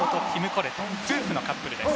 夫婦のカップルです。